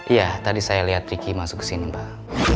iya tadi saya liat riki masuk kesini mbak